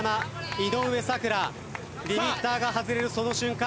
井上咲楽リミッターが外れるその瞬間。